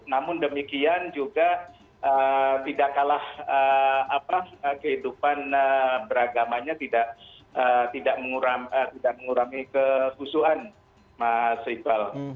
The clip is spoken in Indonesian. namun demikian juga tidak kalah kehidupan beragamanya tidak mengurangi kehusuan mas rival